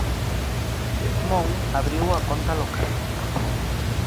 Mon abriu a conta local.